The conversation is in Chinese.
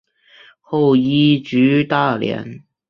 后移居大连。